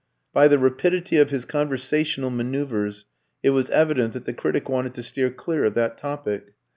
By the rapidity of his conversational manoeuvres, it was evident that the critic wanted to steer clear of that topic.